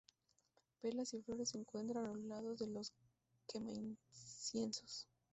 Velas y flores se encuentran a los lados de los quema-inciensos.